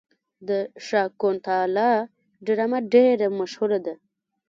د شاکونتالا ډرامه ډیره مشهوره ده.